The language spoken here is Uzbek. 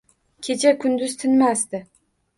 Kecha kunduz tinmasdi.